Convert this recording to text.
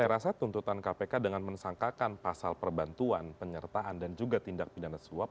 saya rasa tuntutan kpk dengan mensangkakan pasal perbantuan penyertaan dan juga tindak pidana suap